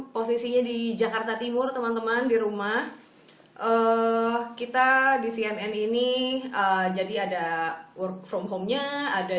posisinya di jakarta timur teman teman di rumah kita di cnn ini jadi ada work from home nya ada